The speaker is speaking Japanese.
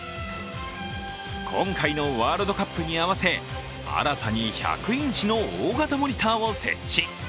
今回のワールドカップに合わせ新たに１００インチの大型モニターを設置。